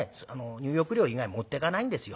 入浴料以外持ってかないんですよ。